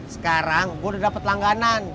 sekarang gue udah dapat langganan